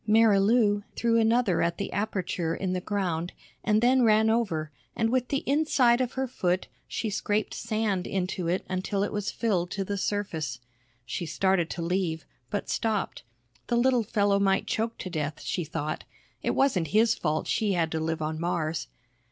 Marilou threw another at the aperture in the ground and then ran over and with the inside of her foot she scraped sand into it until it was filled to the surface. She started to leave, but stopped. The little fellow might choke to death, she thought, it wasn't his fault she had to live on Mars.